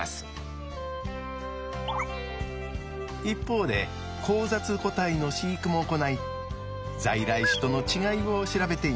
一方で交雑個体の飼育も行い在来種との違いを調べています。